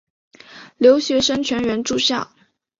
留学生全员住校。